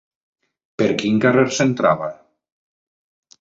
Per quin carrer s'entrava?